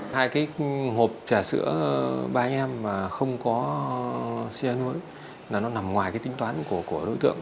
hai cái hộp trà sữa ba anh em mà không có cen nối là nó nằm ngoài cái tính toán của đối tượng